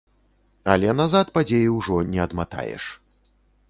Але назад падзеі ўжо не адматаеш.